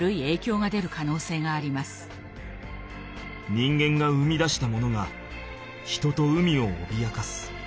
人間が生み出したものが人と海をおびやかす。